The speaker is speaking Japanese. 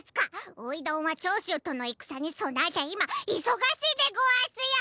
おいどんは長州とのいくさにそなえていまいそがしいでごわすよ！